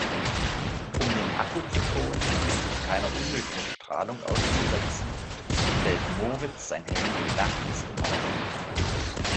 Um den Akku zu schonen und sich keiner unnötigen Strahlung auszusetzen, stellt Moritz sein Handy nachts immer auf Flugmodus.